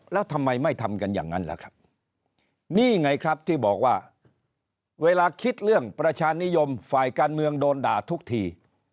แล้วทำไมไม่ทำกันอย่างนั้นล่ะครับนี่ไงครับที่บอกว่าเวลาคิดเรื่องประชานิยมฝ่ายการเมืองโดนด่าทุกที